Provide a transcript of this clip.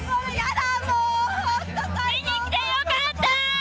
見に来てよかったー！